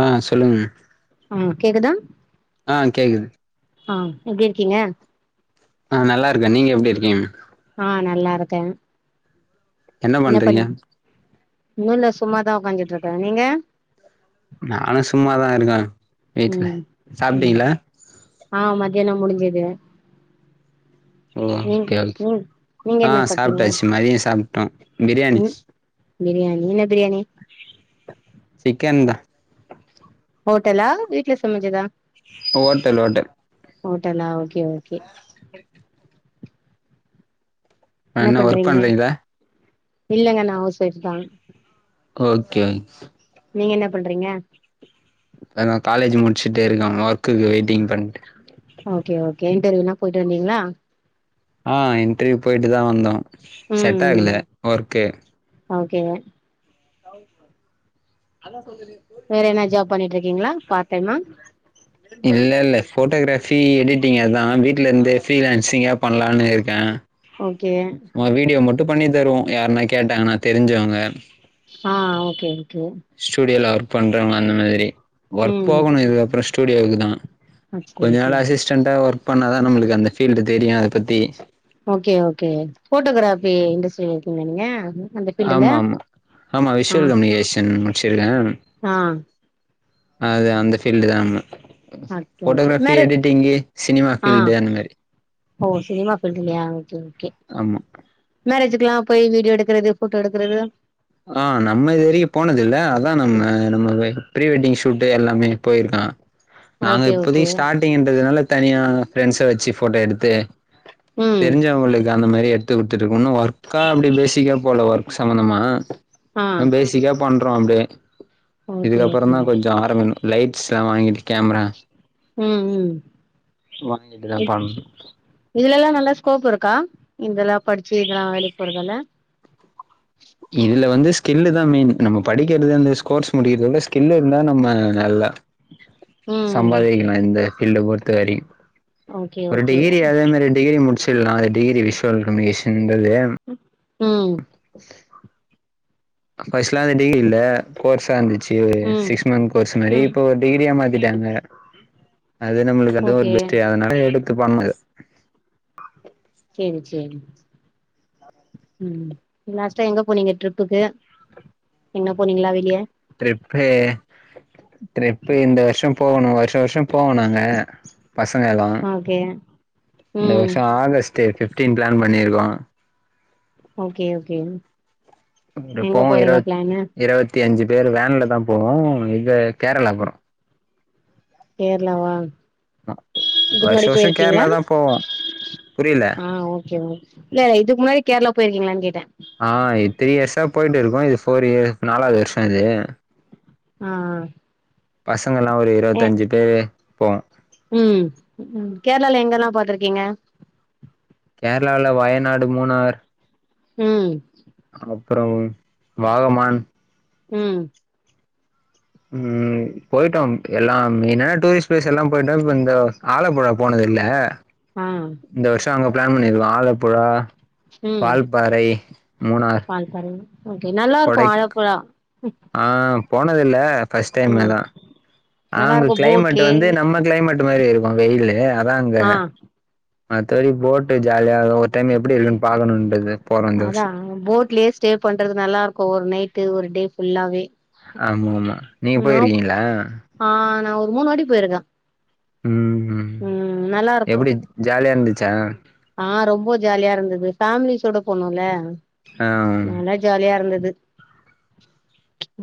ஆ சொல்லுங்க ஆ கேக்குதா ஆ கேக்குது ஆ எப்டி இருக்கீங்க நா நல்லாருக்கே நீங்க எப்டி இருக்கிங்க ஆ நல்லாருக்கே என்ன பண்ணி ஒண்ணு இல்ல சும்மாதா ஒக்காந்திட்ருக்கே நீங்க நானு சும்மாதா இருக்கே வீட்ல ம் ம் சாப்ட்டீங்களா ஆ மதியானோ முடிஞ்சது நீங் ஓகே நீங் நீங்க ஆ என்ன சாப்ட்டீங்க சாப்ட்டாச்சு மதியோ சாப்டோ பிரியாணி ம் பிரியாணி என்ன பிரியாணி சிக்கன்‌தா ஹோட்டலா வீட்ல சமச்சதா ஓட்டல் ஓட்டல் ஓட்டலா ஓகே ஓகே [inaudible] என்ன ஒர்க் பண்றிங்க பண்றீங்களா இல்லங்க நா அவுஸ் ஒய்ஃபுதா ஓகே நீங்க என்ன பண்றீங்க க்கா நா காலேஜூ முச்சுட்டேருக்கே ஒர்க்குக்கு வெய்ட்டிங் பண்ட்டு ஓகே ஒகே இன்ட்ர்வியூ லா போய்ட்டு வந்தீங்ளா ஆ இன்டர்வியூ போய்ட்டுதா வந்தோ செட்டாகல ஒர்க்கு ஓகேங்க தவள குமாரு அதா சகோதரி எ பேர் வேற என்னா ஜாப் பண்ணிட்ருக்கீங்ளா பார்ட் டைமா இல்லெல்ல ஃபோட்டோக்ராஃபி எடிட்டிங் அதா வீட்லந்தே ஃபீ லேன்சிங்கா பண்லான் இருக்கே ஓகே ஒங்க வீடியோ மட்டு பண்ணி தருவோ யார்னா கேட்டாங்கனா தெரிஞ்சோங்க ஆ ஓகே ஓகே ஸ்டூடியோல ஒர்க் பண்றோங்க அந்த மாரி ஒர்க் ம் போகணு இதுகப்றோ ஸ்டூடியோவுக்கு தா ஆ செரி கொஞ்ச செரி நாள் அசிஸ்டண்ட்டா ஒர்க் பண்ணாதா நம்மளுக்கு அந்த ஃபீல்டு தெரியு அத பத்தி ஓகே ஓகே ஃபோட்டோகிராபி இண்டஸ்ட்ரில இருக்கீங்ளா நீங்க அந்த ஃபீல்டுல ஆமாமா ஆமா ஆ விஷுவல் கம்யூனிகேஷன் முச்சுருக்கே ஆ அது அந்த ஃபீல்டு தா நம்ம okay okay photography marriage editing cinema ஆ ஃபீல்டு அந்த மேரி ஓ சினிமா ஃபீல்டுலியா ஓகே ஓகே ஆமா மேரேஜ்க்லா போய் வீடியோ எடுக்குறது ஃபோட்டோ எடுக்குறது ஆ நம்ம இதுவரைக்கு போனது இல்ல அதா நம்ம நம்ம வே ப்ரீ வெட்டிங் ஷூட்டு எல்லாமே போயிருக்கா நாங்க ஓகே ஓகே இப்போதைக்கி ஸ்டார்டிங்ன்றதுனால தனியா ஃப்ரெண்ட்ஸ வச்சி ஃபோட்டோ எடுத்து ம் தெரிஞ்சவங்களுக் அந்த மாரி எட்த்து குட்த்துட்ருக்கோ இன்னு ஒர்க்கா அப்டி பேசிக்கா போல ஒர்க் சம்பந்தமா ஆ ம் பேசிக்கா பண்றோ அப்டே ஓகே ஓகே இதுக்கப்பறந்தா கொஞ்சோ ஆரம்பின்னு லைட்ஸ்லா வாங்கிட் கேமரா ம் ம் வாங்கிட்டுதா பண் இதலலா நல்லா ஸ்கோப் இருக்கா இந்தலா படிச்சி இதலா வேலைக் போறதல்ல இதுல வந்து ஸ்கில்லுதா மெயினு நம்ம படிக்கிறது அந்த ஸ்கோர்ஸ் முடிக்கிறத விட ஸ்கில்லு இருந்தா நம்ம நல்லா ம் சம்பாதிக்கலா இந்த ஃபீல்ட பொறுத்த வரி ஓகே ஒரு ஓகே டிகிரி அதே மாரி டிகிரி முடி ச்சில்லா அது டிகிரி விஷ்வல் கம்யூனிகேஷன்றது ம் [inaudible] ஃபஸ்ட்லா வந்து டிகிரி இல்ல கோர்ஸா இருந்துச்சு ஒரு ம் சிக்ஸ் மந்த் கோர்ஸ் மரி ம் இப்ப ஒரு டிகிரியா மாத்திட்டாங்க அது நம்முளுக்கு அதுவு ஒரு ஓகே பெஸ்ட்டு அதுனால எடுத்து பண்ணது சேரி சேரி ம் லாஸ்ட்டா எங்க போனீங்க ட்ரிப்புக்கு எங்க போனீங்ளா வெளிய ட்ரிப்பு ட்ரிப்பு இந்த வர்ஷோ போகணு வர்ஷோ வர்ஷோ போவோ நாங்க பசங்க எல்லா ஓகே இந்த ம் வர்ஷோ ஆகஸ்ட்டு ஃபிஃப்டீன் பிளான் பண்ணிருக்கோ ஓகே ஓகே எங்க எப்பவு இருவ போறதா பிளானு இருவத்தஞ்சு பேர் வேன்ல தா போவோ இது கேரளா போறோ கேரளாவா இதுக்கு வருஷ முன்னாடி வருஷோ போயிருக்கீங்ளா கேரளா தா போவோ புரியல ஆ ஓகே ஓகே இல்ல இதுக்கு முன்னாடி கேரளா போயிருக்கீங்களான்னு கேட்டே ஆ இ த்ரீ இயர்ஸா போயிட்டு இருக்கோ இது ஃபோர் இயர் நாலாவது வர்ஷோ இது ஆ பசங்கலா ஒரு ஆ இருவத்தஞ்சு பேரு போவோ ம் கேரளால எங்கெல்லா பாத்ருக்கீங்க கேரளால வயநாடு மூணார் ம் அப்றோ வாகமான் ம் ம் போயிட்டோ எல்லாம் மெய்னான டூரிஸ்ட் பிளேஸ் எல்லா போயிட்டோ இப்ப இந்த ஆலப்புழா போனது இல்ல ஆ இந்த வர்ஷோ அங்க பிளான் பண்ணிருக்கோ ஆலப்புழா ம் வால்பாறை மூணார் ஓகே நல்லாருக்கு கொடை ஆழப்புழா ஆ போனது இல்ல ஃபஸ்ட் டைம் ம் இதா ஆனா நல்லா அங்க இருக்கு கிளைமேட் போட்லயே வந்து நம்ம கிளைமேட் டு மேரி இருக்கு வெயிலு அதா அங்க ஆ மத்தபடி போட்டு ஜாலியாகு ஒரு டைம் எப்டி இருக்குன்னு பாக்கனுன்றது அதா போட்லயே ஸ்டே பண்றது நல்லா இருக்கு ஒரு நைட்டு ஒரு டே ஃபுல்லாவே ஆமா ஆமா நீங்க நா போயிருக்கீங்களா ஆ நா ஒரு மூணு வாட்டி போயிருக்க ம் ம் நல்லா இருக்கு எப்டி ஜாலியா இருந்துச்சா ஆ ரொம்ப ஜாலியா இருந்தது ஃபேமிலிஸோட போனோல ஆ நல்லா ஜாலியா இருந்தது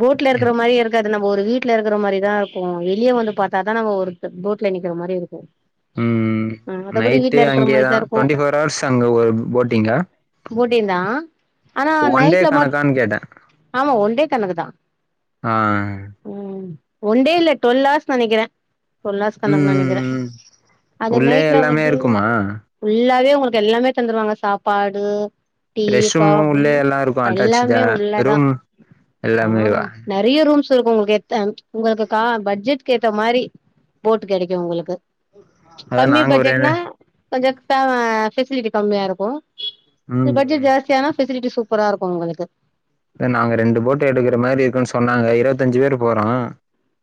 போட்ல இருக்குற மாரியே இருக்காத் நம்ம ஒரு வீட்டுல இருக்கிற மாரிதா இருக்கும் வெளியே வந்து பாத்தாதா நம்ம ஒரு போட்ல நிக்கிற மாரி இருக்கும் ம் நைட்டு அங்யேதா மாரிதா இருக்கு டவெண்ட்டி ஃபோர் ஹவர்ஸ் அங்க ஒரு போட்டிங்கா போட்டிங் தா ஆனா ஒன் டே நைட்டில் மட் கணக்கான்னு கேட்டே ஆமா ஒன் டே கணக்கு தா ஆஹ் உம் ஒன் டே இல்ல டுவல் ஹவர்ஸ் நெனைக்கிற டுவல் ஹார்ஸ் கணக்குனு நெனைக்கிற ம் அது உள்ளே நைட்ல எல்லாமே வந்து இருக்குமா ஃபுல்லாவே உங்களுக்கு எல்லாமே தந்துருவாங்க சாப்பாடு டீ ரெஸ்ட் ரூமு காபி உள்ளே எல்லா இருக்கு எல்லாமே அட்டாச்சுடா உள்ளதா ரூம் ஆ எல்லாமேவா நெறைய ரூம்ஸ் இருக்கு உங்களுக்கு ஏத்த உங்களுக்கு கா பட்ஜெட்க்கு ஏத்த மாரி போட் கெடைக்கும உங்களுக்கு அதா கம்மி நாங்க ஒரு பட்ஜெட்னா கொஞ்ச டாம பெசிலிட்டி கம்மியா இருக்கு ம் பட்ஜெட் ஜாஸ்தியானா பெசிலிட்டி சூப்பரா இருக்கு உங்களுக்கு நாங்க ரெண்டு போட்டு எடுக்குற மாரி இருக்குன்னு சொன்னாங்க இருவத்தஞ்சி பேர் போறோ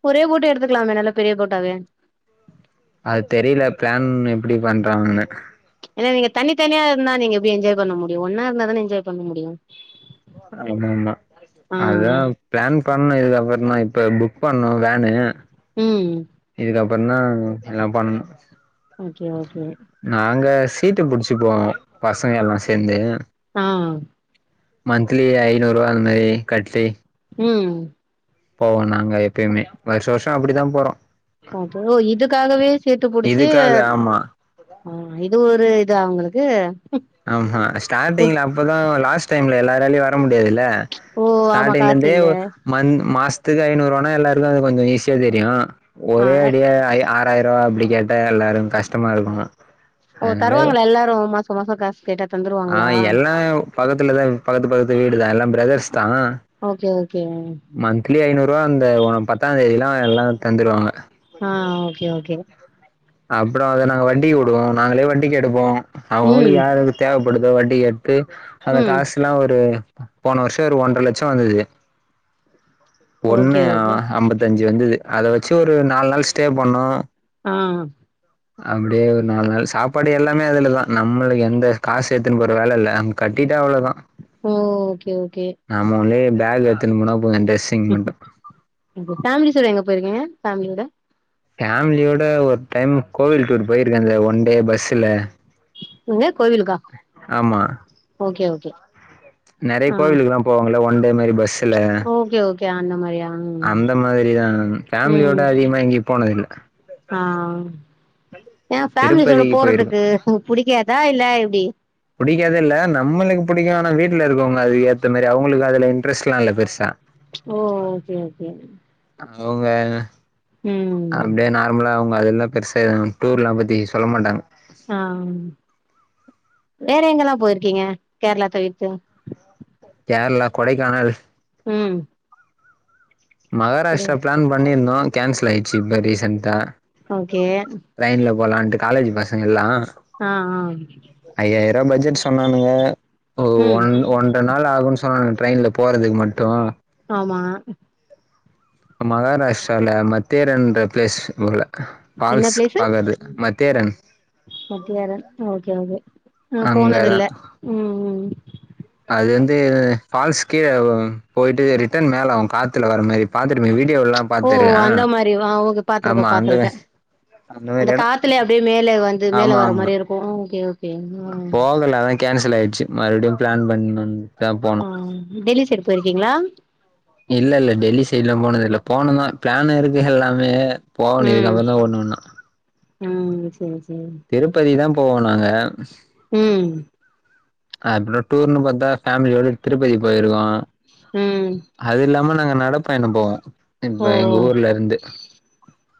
ஒரே போட்டு எடுத்துக்கலாமே நல்லா பெரிய போட்டாவே அது தெரியல பிளான் எப்டி பண்றாங்கனு ஏனா நீங்க தனித்தனியா இருந்தா நீங்க எப்டி என்ஜாய் பண்ண முடியு ஒன்னா இருந்தா தானே என்ஜாய் பண்ண முடியு ஆமாமா ஆ அதுதா பிளான் பண்ணோ இதுக்க அப்பற தா இப்ப புக் பண்ணோ வேனு ம் இதுக்கப்பற தா எல்லா பண்ணு ஓகே ஓகே நாங்க சீட்டு புடிச்சிப்போ பசங்க எல்லா சேந்து ஆஹ் மந்த்லி ஐநூறு ரூபா அந்த மாரி கட்டி உம் போவோ நாங்க எப்பயுமே வருஷோ வருஷோ அப்டித்தா போறோ ஓஹோ இதுக்காகவே சீட்டு புடிச்சி இதுக்காக ஆமா ஆ இது ஒரு இது உங்களுக்கு ஆமா ஸ்டார்டிங்ல அப்பதா லாஸ்ட் டைம்ல எல்லாராலயு வர முடியாதுல்ல ஓ ஆமா காசு ஸ்டார்டிங்லந்தே இல்ல மந்த் மாசத்துக்கு ஐநூறுவனா எல்லாருக்கு அது கொஞ்சோ ஈஸியா தெரியு ஆ ஒரே அடியா ஐயா ஆறாயிர் ரூபா அப்டி கேட்டா எல்லாருக்கு கஷ்டமா இருக்கு ஓ அதனால தருவாங்களா எல்லாரு மாச மாசோ காசு கேட்டா ஆ தந்துருவாங்களா எல்லா பக்கத்துலதா பக்கத்து பக்கத்து வீடுதா எல்லா பிரதர்ஸ் தா ஓகே ஓகே மந்த்லி ஐநூறு ரூபா இந்த ஒ பத்தா தேதில்லா எல்லா தந்துருவாங்க ஆஹ் ஓகே ஓகே அப்புறோ அத நாங்க வட்டிக்கு வுடுவோ நாங்களே வட்டிக்கு எடுப்போ அவங்கவுங்ளுக்கு ம் யாரு தேவப்படுதோ வட்டி கட்டி அந்த ம் காசுல்லா ஒரு போன வர்ஷோ ஒரு ஒன்ற லட்சோ வந்தது ஒண்ணு ஓகே ஆ ஓகே ஐம்பத்தஞ்சு வந்தது அத வச்சு ஒரு நால் நாள் ஸ்டே பண்ணோ ஆ அப்டியே ஒரு நால் நாள் சாப்பாடு எல்லாமே அதுலதா நம்ளுக்கு எந்த காசு எத்துனு போற வேல இல்ல அங் கட்டிட்டா அவ்ள தா ஓ ஓகே ஓகே நம்ம ஒன்லி பேக் எட்த்துனு போனா போது ட்ரெஸ் ஃபேம்லிஸ்ஸோட எங்க போய்ருக்கீங்க ஃபேம்லியோட ஃபேம்லியோட ஒர் டைம் கோவில் டூர் போயிருக்கே அந்த ஒன் டே பஸ்ஸுல எங்க கோவிலுக்கா ஆமா ஓகே ஓகே நறைய ஆ கோவிலுக்கல்லா போவாங்கல ஒன்டே மாரி பஸ்ஸுல ஓகே ஓகே அந்த மாரியா ம் அந்த மாரிதா ஃபேம்லியோட ம் அதிகமா எங்கயு போனதில்ல ஆ ஏ ஃபேம்லிஸ்ஸோட திருப்பதிக்கு போயிருக்கோ போறதுக்கு ஒங் புடிக்காதா இல்ல எப்டி புடிக்காதில்ல நம்மளுக்கு புடிக்கு ஆனா வீட்லருக்கோங்கல அதுக்கு ஏத்த மாரி அவுங்களுக்கு அதுல இன்ட்ரெஸ்ட்ல்லா இல்ல பெருசா ஓ ஓகே ஓகே அவுங்க ம் அப்டியே நார்மலா அவுங்க அதெல்லா பெரு டூர்ல்லா பத்தி சொல்ல மாட்டாங்க ஆ வேற எங்கல்லா போய்ருக்கீங்க கேர்ளா தவிர்த்து கேர்ளா கொடைக்கானல் ம் ஒரு மகாராஷ்ட்ரா ப்ளான் பண்ணிருந்தோ கேன்சல் ஆயிர்ச்சு இப்ப ரீசெண்ட்டா ஓகே ட்ரெய்ன்ல போலான்ட்டு காலேஜ் பசங்கெல்லா ஆ ஆ ஐயாயிரூவா பட்ஜெட் சொன்னானுங்க ஒ ம் ஒன் ஒன் ற நாள் ஆகுன் சொன்னாங்க ட்ரெயின்ல போறதுக்கு மட்டு ஆமா மகாராஷ்ட்ரால மத்தேரன்ற ப்ளேஸ் போல ஃபால்ஸ் பாக்கது மத்தேரன் மத்தேரன் ஓகே ஓகே நா அங்கதா போனதில்ல ம் ம் அது வந்து ஃபால்ஸ் கீழ போய்ட்டு ரிட்டன் மேல காத்துல வர மாரி பாத்திருப்பீங்க வீடியோல்லா ஓ பாத்துருக்கே அந்த மாரி ஓகே பாத்துருக்கே ஆமா அந்த பாத்துருக்கே மாரி அந்த எடோ காத்துலே அப்டியே மேல வந்து மேல வர மாரிருக்கு போகலானா கேன்சல் ஆயிர்ச்சு மறுப்டியு ப்ளான் பண்ணண் ஆ டெல்லி சைடு போய்ருக்கீங்களா இல்லெல்ல டெல்லி சைடுல்லா போனதில்ல போணுதா ப்ளான் இருக்கு எல்லாமே போணு ம் இதுக்கப்றோ தா ஒண்ணு ஒண்ணா ம் சேர் திருப்பதி தா போவோ நாங்க ம் அப்றோ டூர்ன்னு பாத்தா ஃபேம்லியோட திருப்பதி போயிருக்கோ ம் அதில்லாம நாங்க நடப்பயணோ போவோ ஓ இப்ப எங்க ஓ ஊர்ல இருந்து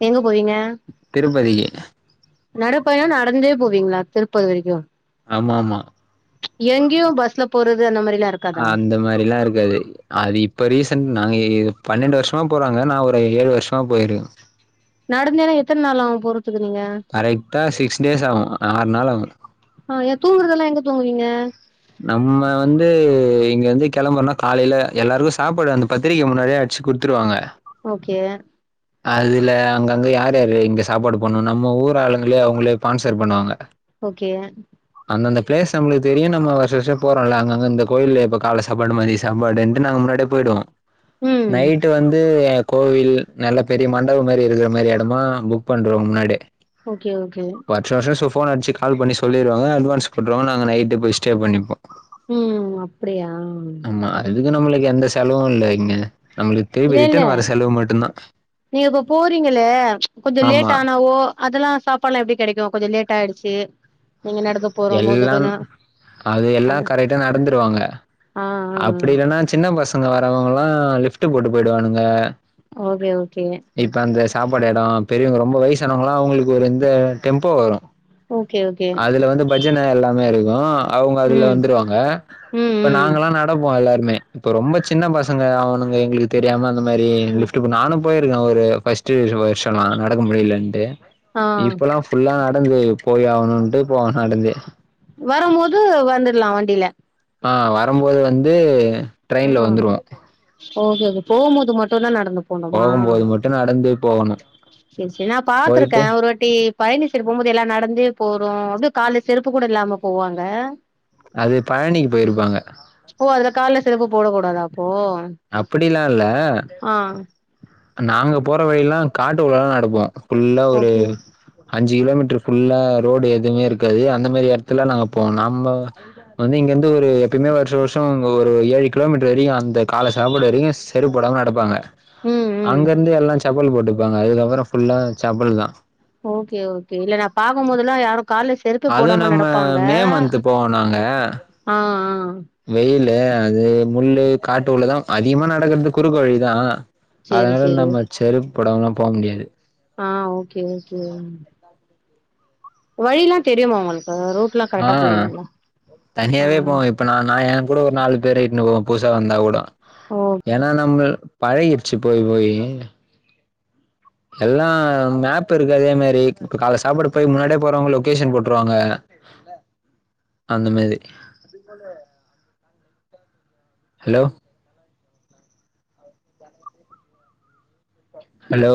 எங்க போவீங்க திருப்பதிக்கி நடப் பயணோ நடந்தே போவீங்ளா திருப்பதி வரைக்கு ஆமா ஆமா எங்கையு பஸ்ல போறது அந்த மாரில்லா இருக் அந்த மாரில்லா இருக்காது அது இப்ப ரீசன்ட் நாங்க இது பன்னெண்டு வருஷமா போறாங்க நா ஒரு ஏழு வருஷமா போயிருக்கே நடந்தேனா எத்தன நாள் ஆகு போறதுக் துக்கு நீங்க கரெக்டா சிக்ஸ் டேஸ் ஆவு ஆறு நாள் ஆகு ஆ ஏ தூங்குறதெல்லா எங்க தூங்குவீங்க நம்ம வந்து இங்க வந்து கெளம்புர்னா காலையில எல்லாருக்கு சாப்பாடு அந்த பத்திரிக்கே முன்னாடியே அடிச்சு குடுத் துருவாங்க ஓகே அதுல அங்கங்க யார் யாரு இங்க சாப்பாடு பண்ணணு நம்ம ஊர் ஆளுங்களே அவுங்களே ஸ்பான்சர் பண்ணுவாங்க ஓகே அந்த அந்த ப்ளேஸ் நம்மளுக்கு தெரியு நம்ம வருஷ வருஷோ போறோல்ல அங்கங்க இந்த கோயில்ல எப்ப கால சாப்பாடு மதிய சாப்பாடுட்டு நாங்க முன்னாடியே போய்டுவோ ம் நைட்டு வந்து கோவில் நல்ல பெரிய மண்டவ மாரி இருக்குற மாரி எடமா புக் பண்றோ முன்னாடி ஓகே ஓகே வர்ஷா வருஷோ சோ போன் அட்ச்சு கால் பண்ணக சொல்லிருவாங்க அட்வான்ஸ் போட்டுவாங்க நாங்க நைட்டு போய் ஸ்டே பண்ணிப்போ ம் ம் அப்டியா ஆ அததுக்கு நம்மளுக்கு எந்த செலவு இல்ல இங்க நம்மளுக்கு இல்ல திரும்பி இல்ல ரிட்டன் வர செலவு மட்டுந்தா நீங்க இப்ப போறீங்களே கொஞ்ச லேட் ஆமா ஆனவோ அதல்லா சாப்பாட்லா எப்டி கெடைக்கு கொஞ்ச லேட் ஆயிடுச்சு நீங்க நடக்க போறோம் போது எல்லா கொஞ்சோ அது எல்லாம் கரெக்டா நடந்துருவாங்க ஆ ஆ அப்டி ஆ இல்லன்னா சின்ன பசங்க வர்றவுங்கல்லா லிப்ட்டு போட்டு போயிடுவானுங்க ஓகே ஓகே இப்ப அந்த சாப்பாடு எடோ பெரியவுங்க ரொம்ப வயசானவுங்கலா அவுங்களுக்கு ஒரு இந்த டெம்போ வரு ஓகே ஓகே அதுல வந்து பஜன எல்லாமே இருக்கு அவுங்க அதுல ம் வந்துருவாங்க ம் இப்ப ம் நாங்கல்லா நடந் ப்போ எல்லாருமே இப்ப ரொம்ப சின்ன பசங்க அவனுங்க எங்களுக்கு தெரியாம அந்த மாரி ம் லிப்ட்டு போ நானும் போயிருக்கே ஒரு ஃபர்ஸ்ட்டு வருஷல்லா நடக்க முடியலன்டு ஆ இப்பல்லா ஃபுல்லா நடந்து போய் ஆகனுன்ட்டு போவோ நடந்து வரம் போது வந்துர்லா வண்டில ஆ வரம்போது வந்து ட்ரெயின்ல ஆ வந்துருவோ ஓகே ஓகே போகும்போது மட்டுந்தா நடந்தோ போகும்போது மட்டு நடந்து போகணும் செரி செரி நா பாத்துருக்கே ஒரு வாட் ட்டி பழனி சைடு போகும்போது எல்லா நடந்து போறோ அப்டியே கால்ல செருப்பு கூட இல்லாம போவாங்க அது பழனிக்கு போயிருப்பாங்க ஓ அதுல கால்ல செருப்பு போடக்கூடதா அப்போ அப்டிலா இல்ல ஆ நாங்க போற வழியில்லா காட்டு குள்ளலா நடப்போ ஃபுல்லா ஒரு ஓகே அஞ்சு கிலோமீட்டர் ஃபுல்லா ரோடு எதுவுமே இருக்காது அந்த மாரி எடத்துல நாங்க போனு நம்ம வந்து இங்கெருந்து ஒரு எப்பையுமே வர்ஷா வர்ஷோ ஒரு ஏழு கிலோமீட்டர் வரைக்கு அந்த கால்ல சாப்பாடு வெரிக்கு செருப் போடாம நடப்பாங்க ம் ம் அங்க இருந்து எல்லா செ ப்பலு போட்டுப்பாங்க அதுக்கப்புறோ ஃபுல்லா செப்பல் தா ஓகே ஓகே இல்ல நா பாக்கும்போதெல்லா யாரு கால்ல செருப்பே அது போடாம நம்ம நடப்பாங்க மே மந்த்த் போவோ நாங்க ஆ ஆ வெயிலு அது முள்ளு காட்டு உள்ளதா அதிகமா நடக்கற்து குறுக்கு வழிதா சேரி அதனால சேரி நம்ம செருப் போடாம்லா போக முடியாது ஆ ஓகே ஓகே வழில்லா தெரியுமா உங்களுக் ஆ ஆ தனியாவே போவ இப்ப நா நா எங்கூட ஒரு நாலு பேர இட்ன்னு போவோ புதுசா வந்தா கூடோ ஓ ஏன்னா நம்ம பழகிடுச்சு போய் போயி எல்லா மேப்பிருக்கு அதே மாரி இப்ப கால்ல சாப்பிட போய் முன்னாடியே போறவங்க லொகேஷன் போட்ருவாங்க அந்த மேரி ஹலோ ஹலோ